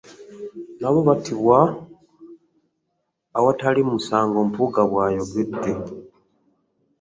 N'abo abattiddwa awatali musango.” Mpuuga bw'annyonnyodde.